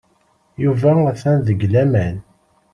Yuba atan deg laman.